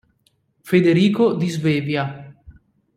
Federico di Svevia